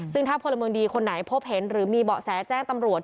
ซึ่งถ้าพลเมืองดีคนไหนพบเห็นหรือมีเบาะแสแจ้งตำรวจ